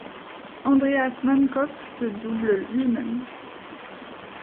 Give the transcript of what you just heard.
Andreas Mannkopff se double lui-même.